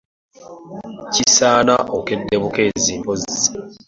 Kisaana okedde bukeezi mpozzi.